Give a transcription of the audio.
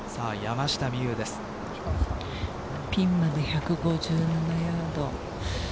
ピンまで１５７ヤード。